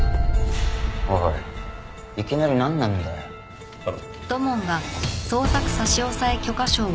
おいいきなりなんなんだよ。頼む。